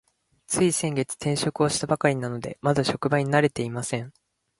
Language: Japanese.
つい先月、転職をしたばかりなので、まだ職場に慣れていません。